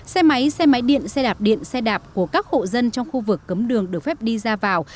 xe máy xe máy điện xe đạp điện xe đạp của các hộ dân trong khu vực cấm đường được phép đi ra vào